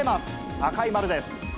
赤い丸です。